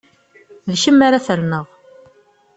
D kemm ara ferneɣ!